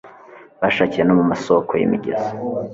bashakiye no mu masoko y'imigezi